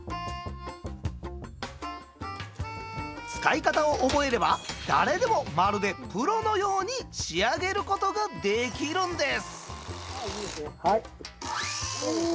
使い方を覚えれば誰でも、まるでプロのように仕上げることができるんです。